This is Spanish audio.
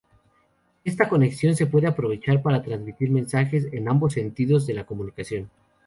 Esta conexión se puede aprovechar para transmitir mensajes en ambos sentidos de la comunicación.